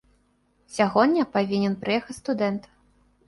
Сягоння павінен прыехаць студэнт.